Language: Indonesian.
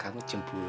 sampai jumpa lagi